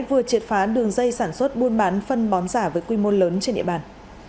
vừa triệt phá đường dây sản xuất buôn bán phân bón giả với quy mô lớn trên địa bàn